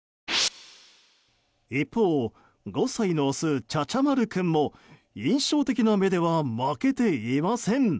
一方、５歳のオスチャチャ丸君も印象的な目では負けていません。